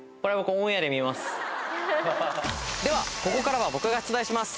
ではここからは僕が出題します。